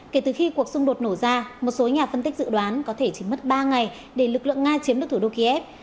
kể từ khi cuộc xung đột nổ ra một số nhà phân tích dự đoán có thể chỉ mất ba ngày để lực lượng nga chiếm được thủ đô kiev